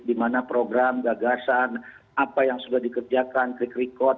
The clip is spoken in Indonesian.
dimana program gagasan apa yang sudah dikerjakan krik krikot